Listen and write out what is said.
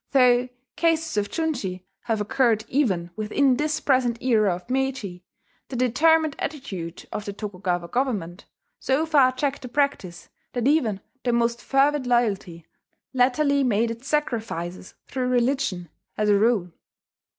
Though cases of junshi have occurred even within this present era of Meiji, the determined attitude of the Tokugawa government so far checked the practice that even the most fervid loyalty latterly made its sacrifices through religion, as a rule.